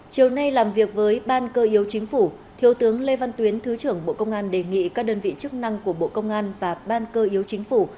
chiều nay làm việc với ban cơ yếu chính phủ thiếu tướng lê văn tuyến thứ trưởng bộ công an đề nghị các đơn vị chức năng của bộ công an và ban cơ yếu chính phủ